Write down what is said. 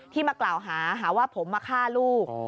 มากล่าวหาหาว่าผมมาฆ่าลูก